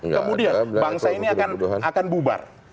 kemudian bangsa ini akan bubar